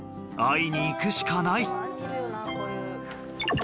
会いに行くしかない！